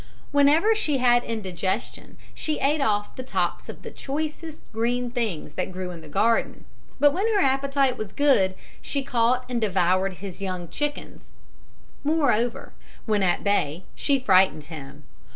Whenever she had indigestion she ate off the tops of the choicest green things that grew in the garden; but when her appetite was good she caught and devoured his young chickens. Moreover, when at bay she frightened him.